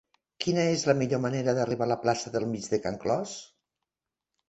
Quina és la millor manera d'arribar a la plaça del Mig de Can Clos?